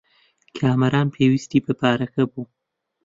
کامەران پێویستیی بە پارەکە بوو.